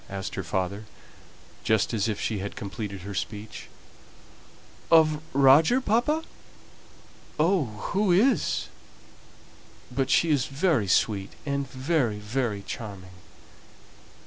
asked her father, just as if she had completed her speech. "Of Roger, papa? oh, who is? But she is very sweet, and very, very charming."